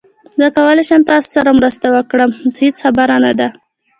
زه کولای شم تاسو سره مرسته وکړم، هیڅ خبره نه ده